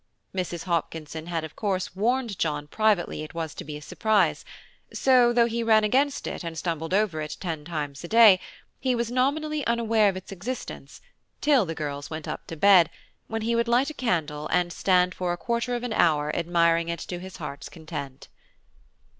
Mrs. Hopkinson had of course warned John privately it was to be a surprise, so, though he ran against it and stumbled over it ten times a day, he was nominally unaware of its existence till the girls went up to bed, when he would light a candle and stand for a quarter of an hour admiring it to his heart's content.